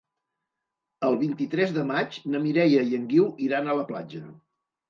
El vint-i-tres de maig na Mireia i en Guiu iran a la platja.